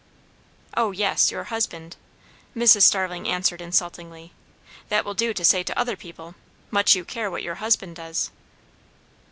"Oh yes! your husband!" Mrs. Starling answered insultingly. "That will do to say to other people. Much you care what your husband does!"